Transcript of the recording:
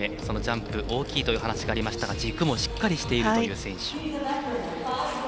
そのジャンプ大きいという話がありましたが軸もしっかりしている選手。